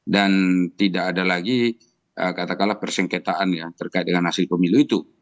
dan tidak ada lagi katakanlah persengketaan yang terkait dengan hasil pemilu itu